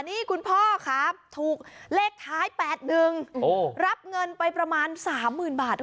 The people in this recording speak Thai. นี่คุณพ่อครับถูกเลขท้าย๘๑รับเงินไปประมาณ๓๐๐๐บาท